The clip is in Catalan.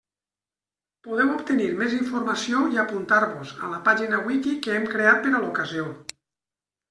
Podeu obtenir més informació i apuntar-vos a la pàgina Wiki que hem creat per a l'ocasió.